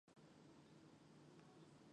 aaaa